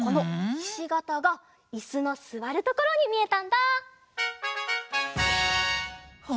ひしがたがいすのすわるところになった！